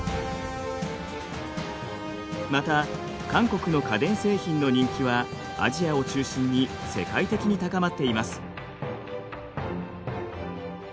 また韓国の家電製品の人気はアジアを中心に世界的に高まっています。